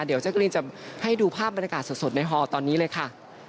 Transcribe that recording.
เดี๋ยวแจ๊กรีนจะให้ดูภาพบรรยากาศสดในฮอตอนนี้เลยค่ะ